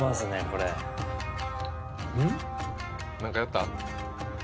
これ何かやった？